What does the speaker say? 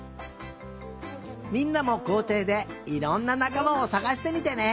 みんなもこうていでいろんななかまをさがしてみてね！